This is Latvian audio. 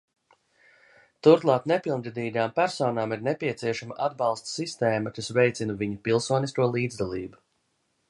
Turklāt nepilngadīgām personām ir nepieciešama atbalsta sistēma, kas veicina viņu pilsonisko līdzdalību.